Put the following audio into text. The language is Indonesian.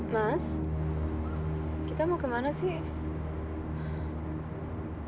mas kita mau kemana sih